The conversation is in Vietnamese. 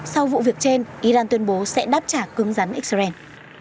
sau vụ việc trên iran tuyên bố sẽ đáp trả cưng rắn israel